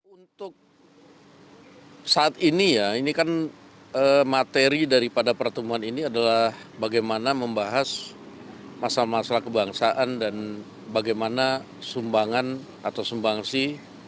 untuk saat ini ya ini kan materi daripada pertemuan ini adalah bagaimana membahas masalah masalah kebangsaan dan bagaimana sumbangan atau sumbangsi